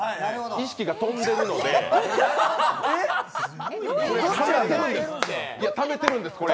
意識が飛んでるのでためてるんです、これ。